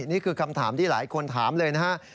นี่คือคำถามที่หลายคนถามเลยนะครับ